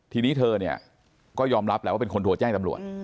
ทีนี้เธอเนี่ยก็ยอมรับแหละว่าเป็นคนโทรแจ้งตำรวจ